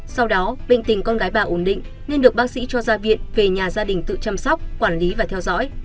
sau đó bệnh tình con gái bà ổn định nên được bác sĩ cho ra viện về nhà gia đình tự chăm sóc quản lý và theo dõi